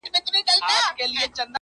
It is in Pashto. سل ځله مي خپل کتاب له ده سره کتلی دی٫